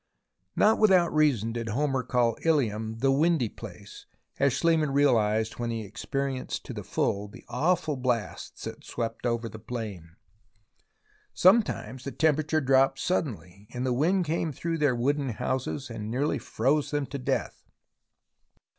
Not without reason did Homer call Ilium the " windy place," as Schliemann realized when he experienced to the full the awful blasts that swept over the plain. Sometimes the temperature dropped suddenly and the wind came through their wooden houses and nearly froze them to death.